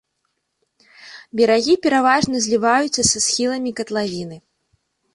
Берагі пераважна зліваюцца са схіламі катлавіны.